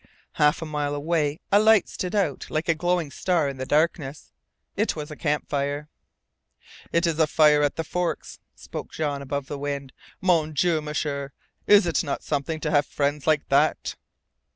Half a mile away a light stood out like a glowing star in the darkness. It was a campfire. "It is a fire at the Forks," spoke Jean above the wind. "Mon Dieu, M'sieur is it not something to have friends like that!"